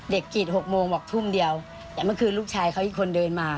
กรีด๖โมงบอกทุ่มเดียวแต่เมื่อคืนลูกชายเขาอีกคนเดินมา